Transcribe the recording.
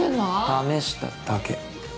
試しただけ。